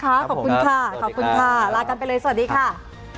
ขอบคุณค่ะลากันไปเลยสวัสดีค่ะ